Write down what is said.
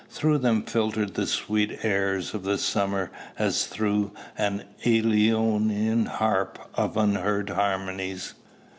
Through them filtered the sweet airs of the summer as through an Æolian harp of unheard harmonies.